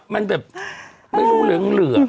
มันแบบไม่รู้เหลือง